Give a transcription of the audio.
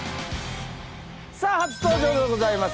さぁ初登場でございます